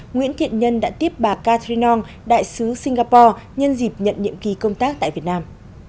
nguyễn thiện nhân đã tiếp bà catherine ong đại sứ singapore nhân dịp nhận nhiệm ký công tác tại việt nam